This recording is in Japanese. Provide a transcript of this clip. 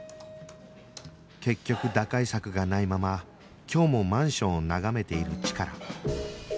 結局打開策がないまま今日もマンションを眺めているチカラ